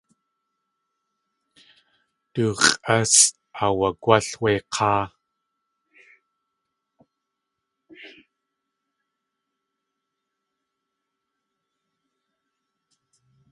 Du x̲ʼásʼ aawagwál wé k̲áa.